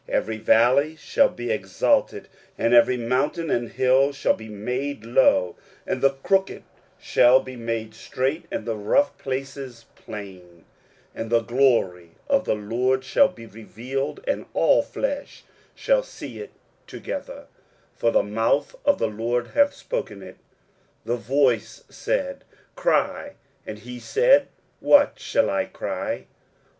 23:040:004 Every valley shall be exalted, and every mountain and hill shall be made low: and the crooked shall be made straight, and the rough places plain: 23:040:005 And the glory of the LORD shall be revealed, and all flesh shall see it together: for the mouth of the LORD hath spoken it. 23:040:006 The voice said, Cry. And he said, What shall I cry?